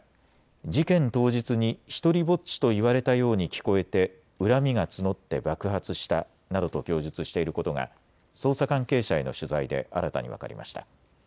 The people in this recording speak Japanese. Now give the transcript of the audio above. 事件当日に独りぼっちと言われたように聞こえて恨みが募って爆発したなどと供述していることが捜査関係者への取材で新たに分かりました。